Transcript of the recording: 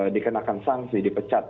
dikenakan sanksi dipecat